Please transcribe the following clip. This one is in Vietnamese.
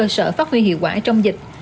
sở phát huy hiệu quả trong dịch